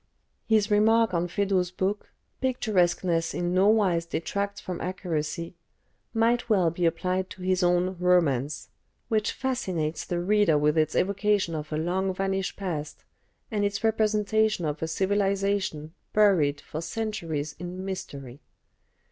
His remark on Feydeau's book, "Picturesqueness in no wise detracts from accuracy," might well be applied to his own "Romance," which fascinates the reader with its evocation of a long vanished past and its representation of a civilisation buried for centuries in mystery.